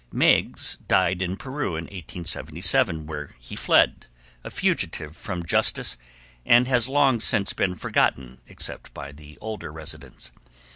Meiggs died in Peru in 1877, where he fled, a fugitive from justice, and has long since been forgotten except by the older residents.